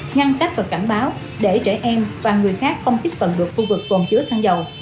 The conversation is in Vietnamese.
ngăn cách và cảnh báo để trẻ em và người khác không thích tận được khu vực còn chứa xăng dầu